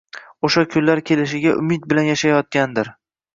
Oʻsha kunlar kelishiga umid bilan yashayotgandir.